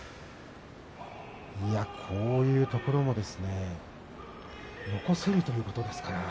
いや、こういうところも残せるということですね。